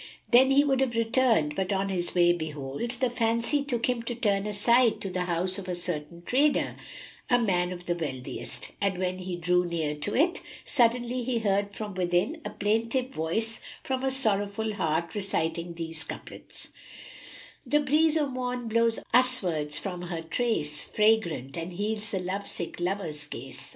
Then he would have returned, but on his way behold, the fancy took him to turn aside to the house of a certain trader, a man of the wealthiest, and when he drew near to it, suddenly he heard from within a plaintive voice from a sorrowful heart reciting these couplets, "The breeze o' Morn blows uswards from her trace * Fragrant, and heals the love sick lover's case.